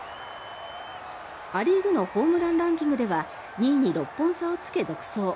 ア・リーグのホームランランキングでは２位に６本差をつけ、独走。